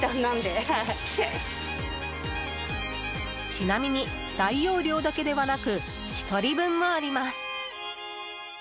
ちなみに、大容量だけではなく１人分もあります。